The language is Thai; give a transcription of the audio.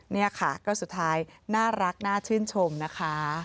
นี่ค่ะก็สุดท้ายน่ารักน่าชื่นชมนะคะ